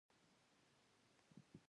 هره لوبه یو پیغام لري.